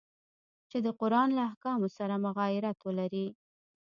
چي د قرآن له احکامو سره مغایرت ولري.